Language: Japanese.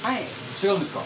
違うんですか？